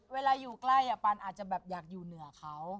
อยู่ใกล้ปานอาจจะแบบอยากอยู่เหนือเขา